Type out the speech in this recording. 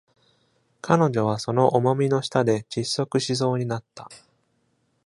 彼女はその重みの下で窒息しそうになった。